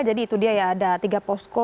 jadi itu dia ya ada tiga posko